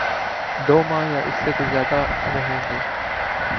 دو ماہ یا اس سے کچھ زیادہ رہیں گے۔